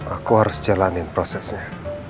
aku harus jalanin prosesnya